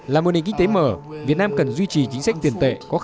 là một nền kinh tế mở việt nam cần duy trì chính sách tiền tệ